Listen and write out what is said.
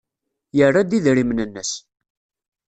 Yerra-d idrimen-nnes.